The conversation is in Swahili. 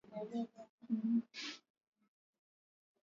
kuzitumia alipokuwa na umri wa miaka kumi Baadaye alipojaribu kuacha